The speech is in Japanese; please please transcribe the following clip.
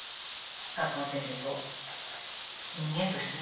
学校の先生と人間としてね